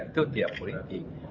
itu tidak politik